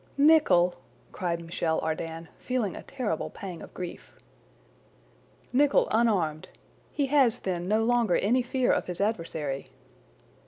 "Nicholl?" cried Michel Ardan, feeling a terrible pang of grief. "Nicholl unarmed! He has, then, no longer any fear of his adversary!"